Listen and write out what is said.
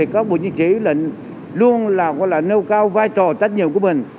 các bộ chiến sĩ lệnh luôn nêu cao vai trò tách nhiệm của mình